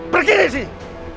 pergi dari sini